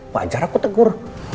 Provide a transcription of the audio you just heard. wajar aku tegur